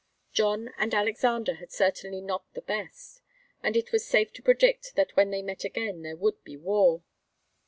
John and Alexander had certainly not the best, and it was safe to predict that when they met again there would be war.